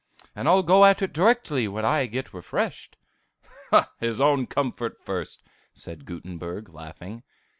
+ and I'll go at it directly when I get refreshed.'" "His own comfort first!" said Gutenberg, laughing.